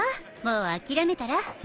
もう諦めたら？